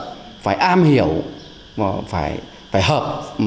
vậy là phải am hiểu phải hợp